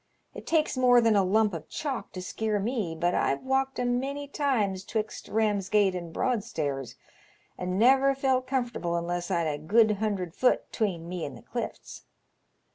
It takes more than a lump of chalk to skeer me, but I've walked a many times 'twixt Bamsgate and Broadstairs, and never felt comfortable unless I'd a good hundred foot 'tween me and the clifts.